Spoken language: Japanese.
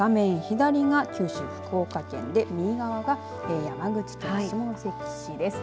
画面左が九州、福岡県で右側が山口県下関市です。